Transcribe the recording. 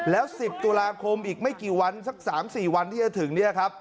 แล้ว๑๐ตุลาคมอีกไม่กี่วันสักสามสี่วันที่จะถึง